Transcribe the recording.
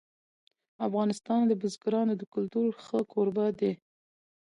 افغانستان د بزګانو د کلتور ښه کوربه دی.